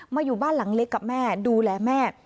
อยู่บ้านหลังเล็กกับแม่ดูแลแม่